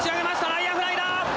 内野フライだ！